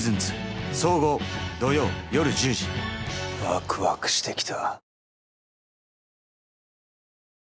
ワクワクしてきた。